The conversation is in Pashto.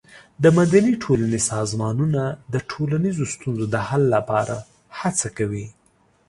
د مدني ټولنې سازمانونه د ټولنیزو ستونزو د حل لپاره هڅه کوي.